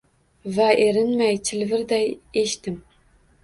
Va erinmay chilvirday eshdim.